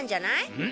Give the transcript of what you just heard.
うん？